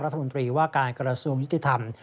รัฐมนตรีว่าการกระทรวงยุติธรรม